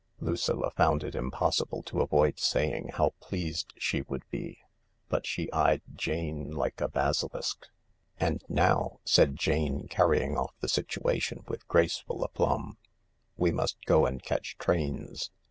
Lucilla found it impossible to avoid saying how pleased she would be — but she eyed Jane like a basilisk. "And now," said Jane, carrying off the situation with graceful aplomb, "we must go and catch trains.